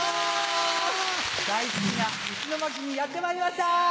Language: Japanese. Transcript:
大好きな石巻にやってまいりました！